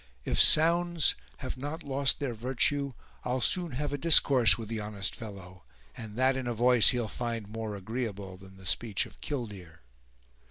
If sounds have not lost their virtue, I'll soon have a discourse with the honest fellow, and that in a voice he'll find more agreeable than the speech of 'killdeer'."